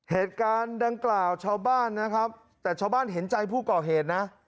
เหตุการณ์ดังกล่าวชาวบ้านนะครับแต่ชาวบ้านเห็นใจผู้ก่อเหตุนะ